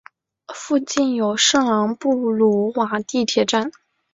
附近有圣昂布鲁瓦地铁站。